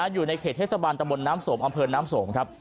อยู่ในเขตเทศบาลตะบนน้ำสมอำเภอน้ำสมครับ